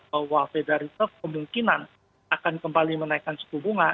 bahwa federal reserve kemungkinan akan kembali menaikkan suku bunga